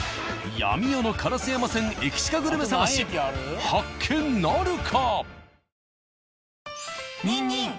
闇夜の烏山線エキチカグルメ探し発見なるか！